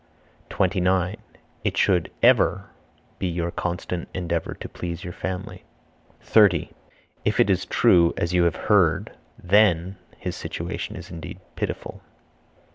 29. It should (ever) be your constant endeavor to please your family. 30. If it is true as you have heard (then) his situation is indeed pitiful.